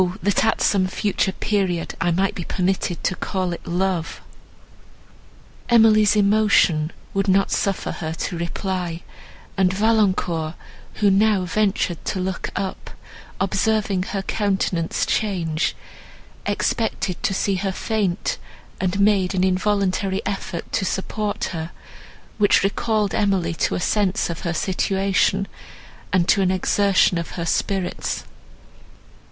that at some future period I might be permitted to call it love!" Emily's emotion would not suffer her to reply; and Valancourt, who now ventured to look up, observing her countenance change, expected to see her faint, and made an involuntary effort to support her, which recalled Emily to a sense of her situation, and to an exertion of her spirits.